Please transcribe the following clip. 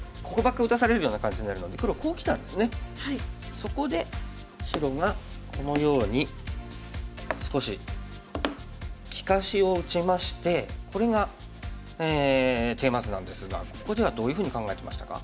そこで白がこのように少し利かしを打ちましてこれがテーマ図なんですがここではどういうふうに考えてましたか？